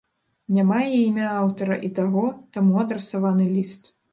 Няма і імя аўтара і таго, таму адрасаваны ліст.